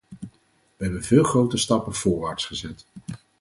We hebben veel grote stappen voorwaarts gezet.